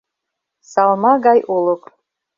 Салма гай олык.